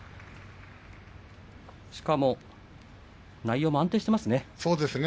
しかも内容も安定していますね。